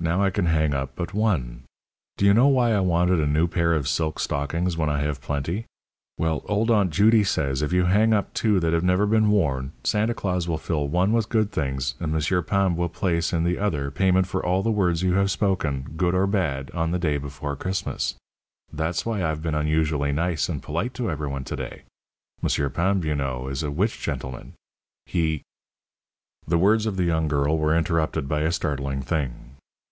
Now I can hang up but one. Do you know why I wanted a new pair of silk stockings when I have plenty? Well, old Aunt Judy says, if you hang up two that have never been worn, Santa Claus will fill one with good things, and Monsieur Pambe will place in the other payment for all the words you have spoken good or bad on the day before Christmas. That's why I've been unusually nice and polite to everyone to day. Monsieur Pambe, you know, is a witch gentleman; he " The words of the young girl were interrupted by a startling thing.